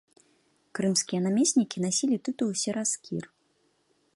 Крымскія намеснікі насілі тытул сераскір.